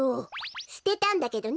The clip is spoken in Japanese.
すてたんだけどね！